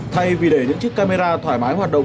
thay vì để những chiếc camera thoải mái hoạt động